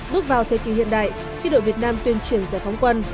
bước vào thời kỳ hiện đại khi đội việt nam tuyên truyền giải phóng quân